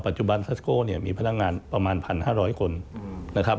จุบันซัสโก้เนี่ยมีพนักงานประมาณ๑๕๐๐คนนะครับ